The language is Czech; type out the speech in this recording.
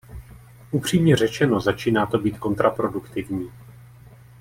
Upřímně řečeno, začíná to být kontraproduktivní.